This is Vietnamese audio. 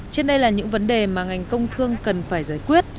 trên đây là những vấn đề mà ngành công thương cần phải giải quyết